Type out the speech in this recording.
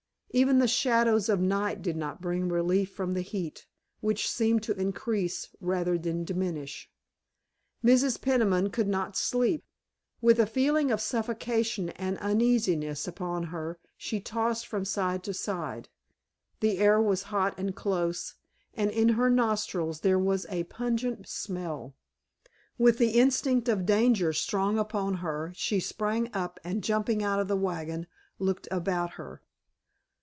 Even the shadows of night did not bring relief from the heat, which seemed to increase rather than diminish. Mrs. Peniman could not sleep. With a feeling of suffocation and uneasiness upon her she tossed from side to side. The air was hot and close, and in her nostrils there was a pungent smell. With the instinct of danger strong upon her she sprang up, and jumping out of the wagon looked about her.